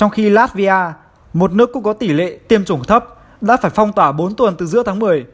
trong khi latvia một nước cũng có tỷ lệ tiêm chủng thấp đã phải phong tỏa bốn tuần từ giữa tháng một mươi